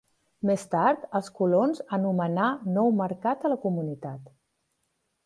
Més tard, els colons anomenar Nou Mercat a la comunitat.